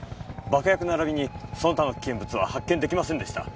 爆薬並びにその他の危険物は発見出来ませんでした。